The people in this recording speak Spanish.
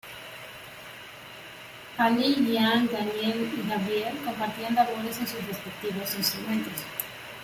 Allí, Gian, Daniel y Gabriel compartían labores en sus respectivos instrumentos.